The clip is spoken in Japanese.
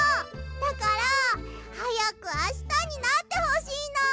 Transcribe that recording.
だからはやくあしたになってほしいの！